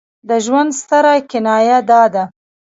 د ژوند ستره کنایه دا ده.